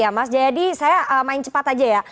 ya mas jayadi saya main cepat aja ya